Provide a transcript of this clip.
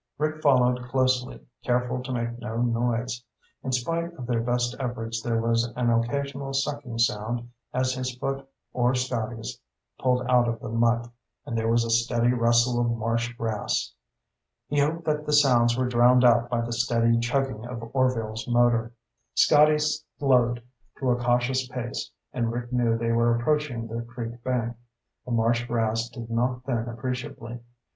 Rick followed closely, careful to make no noise. In spite of their best efforts there was an occasional sucking sound as his foot or Scotty's pulled out of the muck, and there was a steady rustle of marsh grass. He hoped that the sounds were drowned out by the steady chugging of Orvil's motor. Scotty slowed to a cautious pace and Rick knew they were approaching the creek bank. The marsh grass did not thin appreciably.